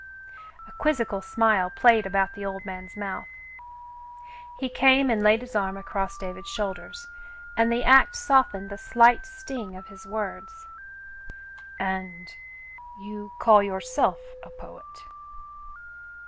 A quizzical smile played about the old man's mouth. He came and laid his arm across David's shoulders, and the act softened the slight sting of his words. "And — you call yourself a poet